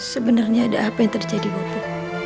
sebenarnya ada apa yang terjadi bopo